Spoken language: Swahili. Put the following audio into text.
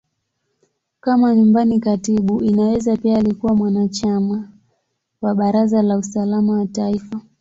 Kama Nyumbani Katibu, Inaweza pia alikuwa mwanachama wa Baraza la Usalama wa Taifa.